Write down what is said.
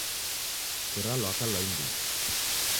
Sikira lwaka lwa imbiri